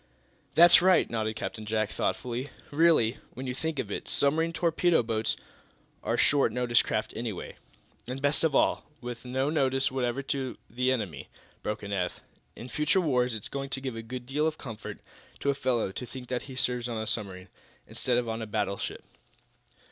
"That's right," nodded Captain Jack, thoughtfully. "Really, when you come to think of it, submarine torpedo boats are short notice craft anyway." "And, best of all, with no notice whatever to the enemy," broke in Eph. "In future wars it's going to give a good deal of comfort to a fellow to think that he serves on a submarine, instead of on a battleship."